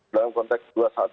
dalam konteks dua ratus dua belas